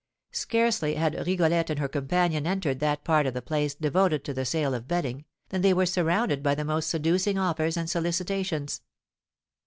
Scarcely had Rigolette and her companion entered that part of the place devoted to the sale of bedding, than they were surrounded by the most seducing offers and solicitations.